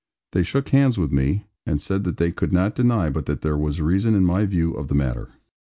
They shook hands with me; and said that they could not deny but that there was reason in my view of the matter.